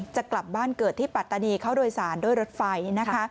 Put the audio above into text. จะกลับบ้านเกิดที่ปัตตานีเข้าโดยสารด้วยรถไฟนะคะ